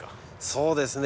そうですね